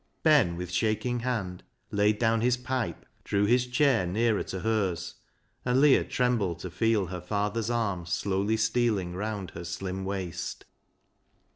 Ben, with shaking hand, laid down his pipe, drew his chair nearer to hers, and Leah trembled to feel her father's arm slowly stealing round her slim waist.